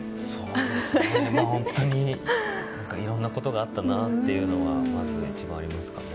本当にいろんなことがあったなというのがまず一番ですかね。